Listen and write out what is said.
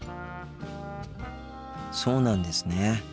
そうなんですね。